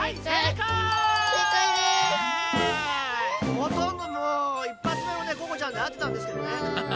ほとんどもういっぱつめのねここちゃんであってたんですけどね。